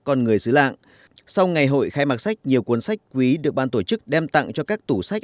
con người xứ lạng sau ngày hội khai mạc sách nhiều cuốn sách quý được ban tổ chức đem tặng cho các tủ sách